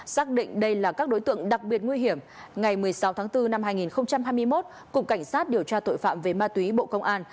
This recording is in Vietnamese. xác định đây là các đối tượng đặc biệt nguy hiểm ngày một mươi sáu tháng bốn năm hai nghìn hai mươi một cục cảnh sát điều tra tội phạm về ma túy bộ công an